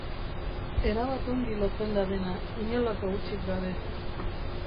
Erabat ongi lotzen da dena, inolako hutsik gabe.